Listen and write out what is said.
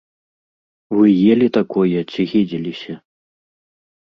Вы елі такое ці гідзіліся?